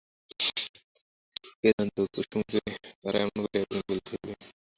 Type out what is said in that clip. কে জানিত কুসুমকে তাহার এমন করিয়া একদিন বলিতে হইবে।